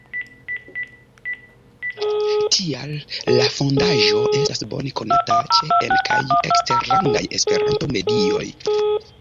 Tial la Fondaĵo estas bone konata ĉe en- kaj eksterlandaj Esperanto-medioj.